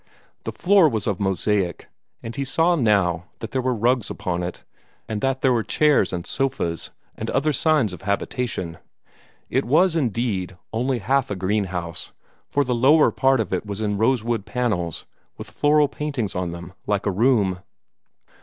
The floor was of mosaic, and he saw now that there were rugs upon it, and that there were chairs and sofas, and other signs of habitation. It was, indeed, only half a greenhouse, for the lower part of it was in rosewood panels, with floral paintings on them, like a room.